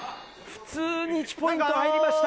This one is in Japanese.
普通に１ポイント入りました。